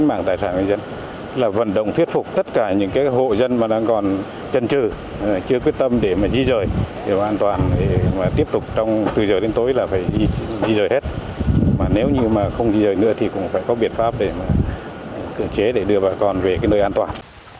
mà nếu như mà không di dời nữa thì cũng phải có biện pháp để cử chế để đưa bà con về cái nơi an toàn